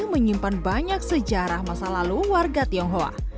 menyimpan banyak sejarah masa lalu warga tionghoa